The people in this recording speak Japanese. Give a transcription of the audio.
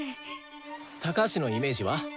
高橋のイメージは？